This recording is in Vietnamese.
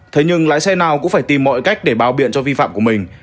thế nhưng lái xe nào cũng phải tìm mọi cách để bao biện cho vi phạm của mình